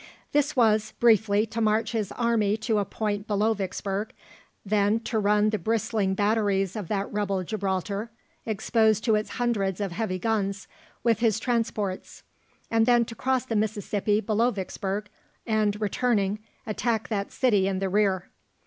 This was briefly to march his army to a point below Vicksburg, "then to run the bristling batteries of that rebel Gibraltar, exposed to its hundreds of heavy guns, with his transports, and then to cross the Mississippi below Vicksburg, and, returning, attack that city in the rear."